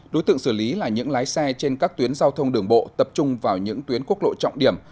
đối tượng xử lý là những lái xe trên các tuyến giao thông đường bộ tập trung vào những tuyến quốc lộ trọng điểm